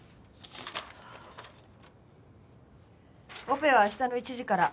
オペは明日の１時から。